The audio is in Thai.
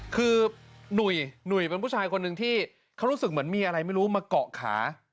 คือหนุ่ยหนุ่ยเป็นผู้ชายคนหนึ่งที่เขารู้สึกเหมือนมีอะไรไม่รู้มาเกาะขา